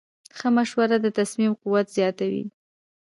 ښه مشوره د تصمیم قوت زیاتوي.